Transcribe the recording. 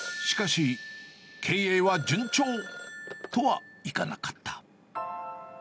しかし、経営は順調とはいかなかった。